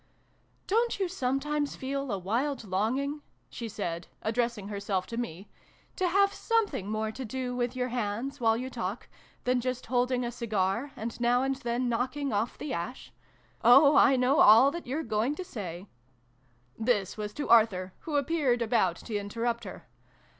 " Don't you sometimes feel a wild longing," she said, addressing herself to me, " to have something more to do with your hands, while you talk, than just holding a cigar, and now and then knocking off the ash ? Oh, I know all that you're going to say !" (This was to Arthur, who appeared about to interrupt her.)